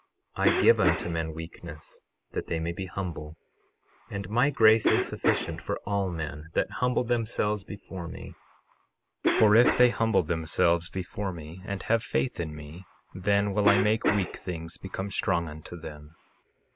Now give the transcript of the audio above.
I give unto men weakness that they may be humble; and my grace is sufficient for all men that humble themselves before me; for if they humble themselves before me, and have faith in me, then will I make weak things become strong unto them.